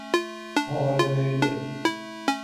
پاره دریده